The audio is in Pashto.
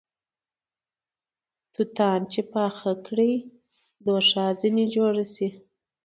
توتان چې پاخه کړې دوښا ځنې جوړه سې